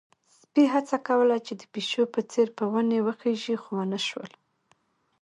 سپي هڅه کوله چې د پيشو په څېر په ونې وخيژي، خو ونه شول.